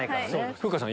風花さん